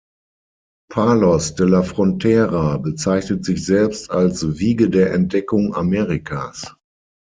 Palos de la Frontera bezeichnet sich selbst als „Wiege der Entdeckung Amerikas“.